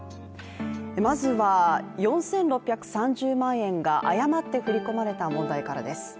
まずは、４６３０万円が誤って振り込まれた問題からです。